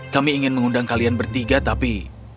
kami ingin mengundang kalian bertiga tapi